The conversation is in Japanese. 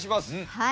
はい。